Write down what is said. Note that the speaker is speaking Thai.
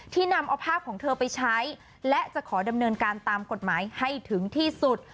นำเอาภาพของเธอไปใช้และจะขอดำเนินการตามกฎหมายให้ถึงที่สุด